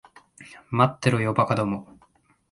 待ってろよ、馬鹿ども。